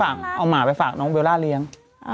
แล้วก็เอาหมาฝากน้องเบลล่าเลี้ยง